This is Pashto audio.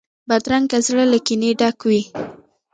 بدرنګه زړه له کینې ډک وي